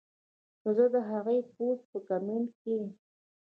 کۀ زۀ د هغې پوسټ پۀ کمنټ کښې